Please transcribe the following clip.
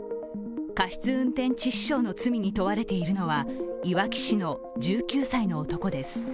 過失運転致死傷の罪に問われているのは、いわき市の１９歳の男です。